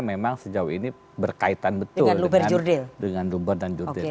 memang sejauh ini berkaitan betul dengan luber dan judel